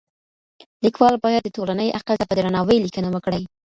ليکوال بايد د ټولني عقل ته په درناوي ليکنه وکړي.